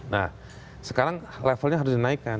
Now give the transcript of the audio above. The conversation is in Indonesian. nah sekarang levelnya harus dinaikkan